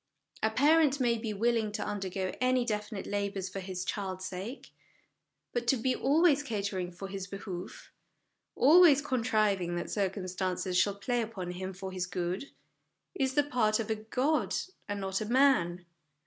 A parent may be willing to undergo any definite labours for his child's sake ; but to be always catering for his behoof, always contriving that circumstances shall play upon him for his good, is the part of a god and not of a man